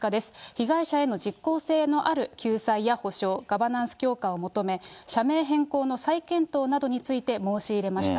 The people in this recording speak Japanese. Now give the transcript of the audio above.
被害者への実効性のある救済や補償、ガバナンス強化を求め、社名変更の再検討などについて申し入れました。